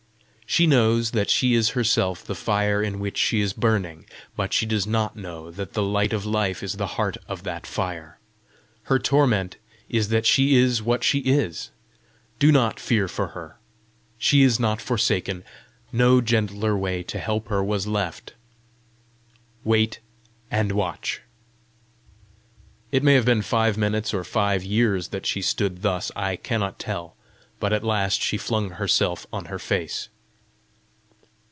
She knows that she is herself the fire in which she is burning, but she does not know that the Light of Life is the heart of that fire. Her torment is that she is what she is. Do not fear for her; she is not forsaken. No gentler way to help her was left. Wait and watch." It may have been five minutes or five years that she stood thus I cannot tell; but at last she flung herself on her face.